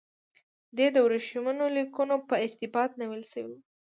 دی د ورېښمینو لیکونو په ارتباط نیول شوی و.